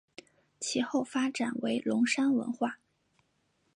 其后发展为龙山文化。